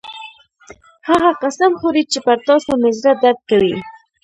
هغه قسم خوري چې پر تاسو مې زړه درد کوي